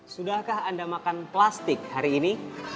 sudahkah anda makan plastik hari ini